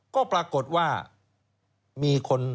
ก็ปรากฏว่ามีคนช่วยครับ